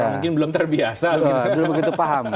mungkin belum terbiasa belum begitu paham